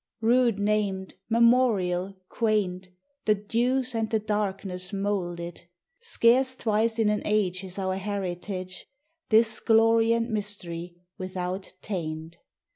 Rude named, memorial, quaint, The dews and the darkness mould it: Scarce twice in an age is our heritage This glory and mystery without taint.